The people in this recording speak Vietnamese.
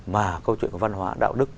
mà câu chuyện văn hóa đạo đức